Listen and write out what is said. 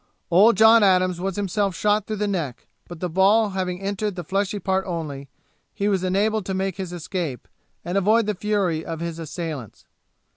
Old John Adams was himself shot through the neck, but the ball having entered the fleshy part only, he was enabled to make his escape, and avoid the fury of his assailants.